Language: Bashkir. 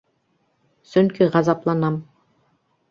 Сөнки ғазапланам.